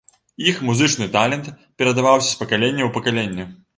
Іх музычны талент перадаваўся з пакалення ў пакаленне.